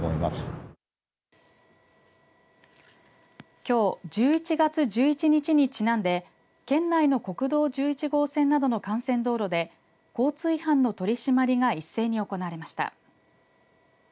きょう１１月１１日にちなんで県内の国道１１号線などの幹線道路で交通違反の取り締まりが一斉に行われました。